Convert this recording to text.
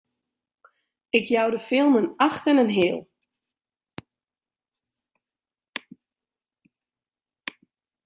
Ik jou de film in acht en in heal!